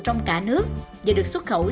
trong cả nước và được xuất khẩu